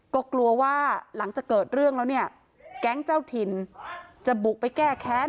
ก็กลัวว่าหลังจากเกิดเรื่องแล้วเนี่ยแก๊งเจ้าถิ่นจะบุกไปแก้แค้น